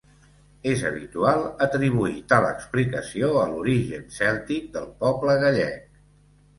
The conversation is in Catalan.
És habitual atribuir tal explicació a l'origen cèltic del poble gallec.